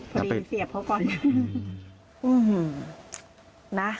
พอเรียนเสียบเขาก่อน